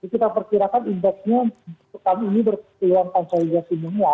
kita persirakan indeksnya petang ini berkeluarga konsolidasi semua